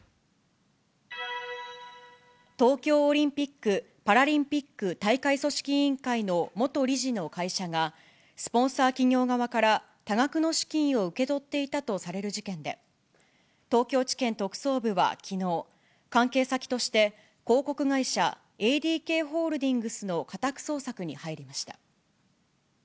東京オリンピック・パラリンピック大会組織委員会の元理事の会社が、スポンサー企業側から多額の資金を受け取っていたとされる事件で、東京地検特捜部はきのう、関係先として、広告会社、ＡＤＫホールディングスの家宅捜索に入りました。